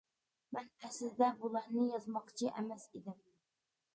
مەن ئەسلىدە بۇلارنى يازماقچى ئەمەس ئىدىم.